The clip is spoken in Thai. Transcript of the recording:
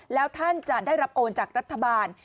แล้วท่านจะได้รับโอนจากรัฐบาล